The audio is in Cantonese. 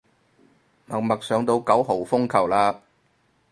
默默上到九號風球嘞